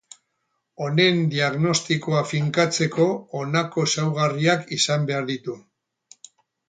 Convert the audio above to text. Honen diagnostikoa finkatzeko honako ezaugarriak izan behar ditu.